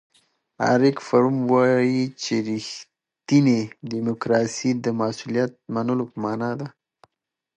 اریک فروم وایي چې ریښتینې دیموکراسي د مسؤلیت منلو په مانا ده.